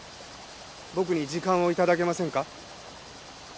僕に時間を頂けませんか？